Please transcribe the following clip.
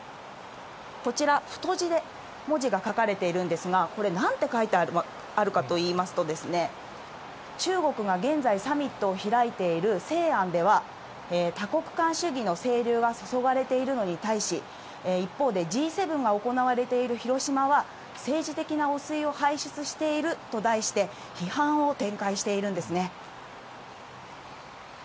こちら、太字で文字が書かれているんですが、これ、なんて書いてあるかといいますと、中国が現在、サミットを開いている西安では、多国間主義の清流が注がれているのに対し、一方でＧ７が行われている広島は政治的な汚水を排出していると題して、批判を展開しているんですね。